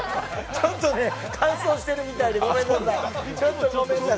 ちょっと乾燥しているみたいで、ごめんなさい。